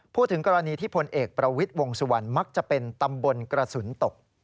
พูดถึงกรณีที่พลเอกประวิทย์วงสุวรรณมักจะเป็นตำบลกระสุนตก